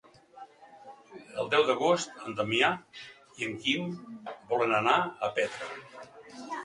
El deu d'agost en Damià i en Quim volen anar a Petra.